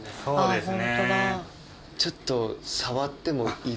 そうですね。